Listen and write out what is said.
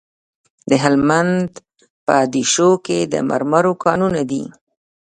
د هلمند په دیشو کې د مرمرو کانونه دي.